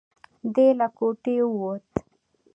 ده له کوټې ووت.